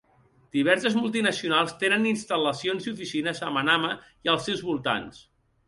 Diverses multinacionals tenen instal·lacions i oficines a Manama i els seus voltants.